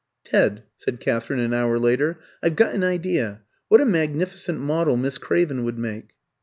"Ted," said Katherine an hour later, "I've got an idea. What a magnificent model Miss Craven would make!"